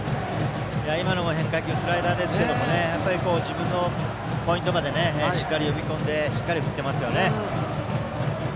今のもスライダーですが自分のポイントまでしっかり呼び込んでしっかり振っていますね。